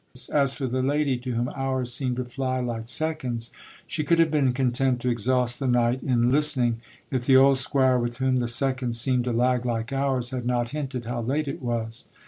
As for the lady, to whom hours seemed to fly like seconds, she could have been content to exhaust the night in listening, if the old squire, with whom the seconds seemed to lag like hours, had not hinted how late it was.